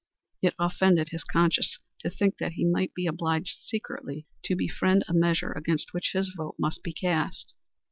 It offended his conscience to think that he might be obliged secretly to befriend a measure against which his vote must be cast.